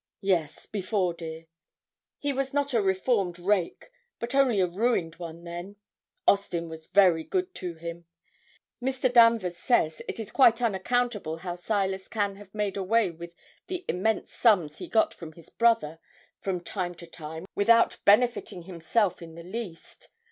'Yes before, dear. He was not a reformed rake, but only a ruined one then. Austin was very good to him. Mr. Danvers says it is quite unaccountable how Silas can have made away with the immense sums he got from his brother from time to time without benefiting himself in the least.